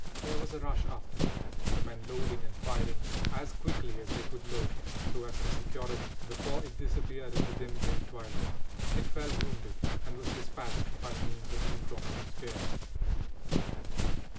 There was a rush after it, the men loading and firing as quickly as they could load, so as to secure it before it disappeared in the dim grey twilight. It fell wounded, and was despatched by means of the impromptu spears.